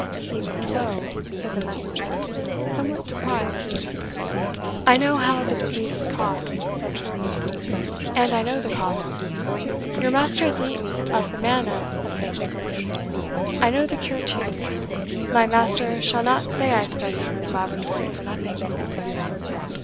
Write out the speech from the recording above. "Even so," said the messenger, somewhat surprised. "I know how the disease is caused," said the artist, "and I know the cause. Your master has eaten of the manna of Saint Nicholas. I know the cure too my master shall not say I studied in his laboratory for nothing."